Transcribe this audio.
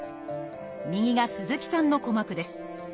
右が鈴木さんの鼓膜です。